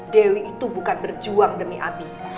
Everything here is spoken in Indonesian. dewi itu bukan berjuang demi abi